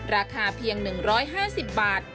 ราคาเพียง๑๕๐บาท